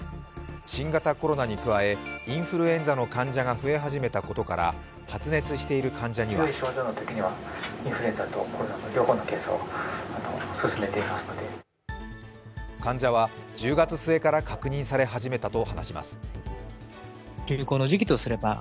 新型コロナに加えインフルエンザの患者が増え始めたことから発熱している患者には患者は１０月末から確認され始めたと話します。